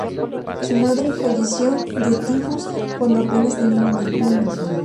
Su madre falleció de tifus cuando apenas tenía un año.